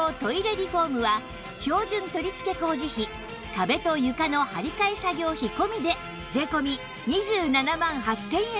リフォームは標準取り付け工事費壁と床の張り替え作業費込みで税込２７万８０００円です